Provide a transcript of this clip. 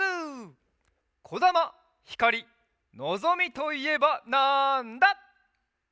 「こだま」「ひかり」「のぞみ」といえばなんだ？